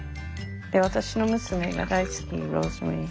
で私の娘が大好きローズマリー。